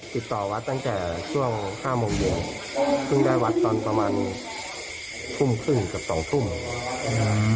ติดต่อวัดตั้งแต่ช่วงห้าโมงเย็นเพิ่งได้วัดตอนประมาณทุ่มครึ่งกับสองทุ่มอ่า